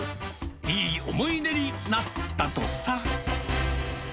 いい思い出になったとさ。